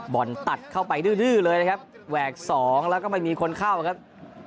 บอลตัดเข้าไปดื้อเลยนะครับแหวก๒แล้วก็ไม่มีคนเข้าครับ